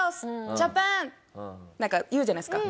「ジャパン！」なんか言うじゃないですか。